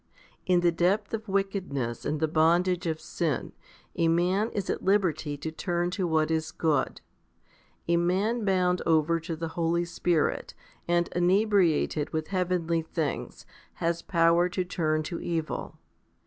In the depth of wickedness and the bondage of sin, a man is at liberty to turn to what is good. A man bound over to the Holy Spirit, and inebriated with heavenly things, has power to 1 Luke xiv.